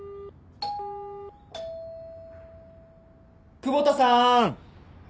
久保田さん！